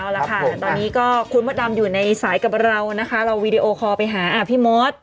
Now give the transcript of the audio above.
เอาละค่ะตอนนี้ก็คุณมดดำอยู่ในสายกับเรานะคะเราวีดีโอคอลไปหาพี่มด